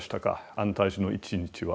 安泰寺の一日は。